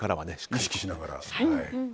意識しながら。